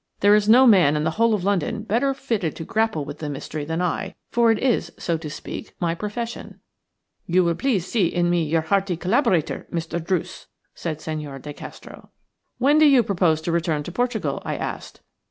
There is no man in the whole of London better fitted to grapple with the mystery than I, for it is, so to speak, my profession." "You will please see in me your hearty collaborator, Mr. Druce," said Senhor de Castro. "When do you propose to return to Portugal?" I asked.